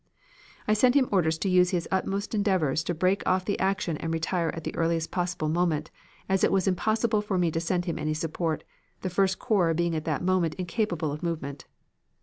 "I sent him orders to use his utmost endeavors to break off the action and retire at the earliest possible moment, as it was impossible for me to send him any support, the First Corps being at the moment incapable of movement.